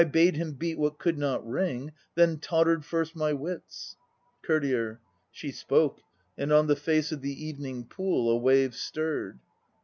When I bade him beat what could not ring, Then tottered first my wits. COURTIER. She spoke, and on the face of the evening pool A wave stirred.